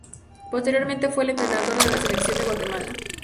Posteriormente, fue el entrenador de la Selección de Guatemala.